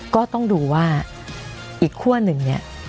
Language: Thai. ก็ต้องดูว่าอีกขั้วหนึ่งเนี่ย